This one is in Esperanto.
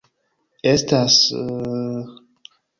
Estas...